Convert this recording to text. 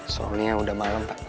soalnya sudah malam pak